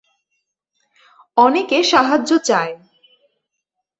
অনেকে সাহায্য চায়।